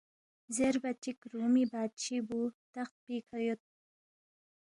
زیربا چِک رومی بادشی بُو تخت پیکھہ یود